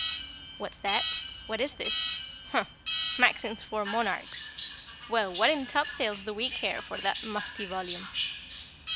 '" "What's that? What's this? Humph! Maxims for Monarchs. Well, what in topsails do we care for that musty volume?"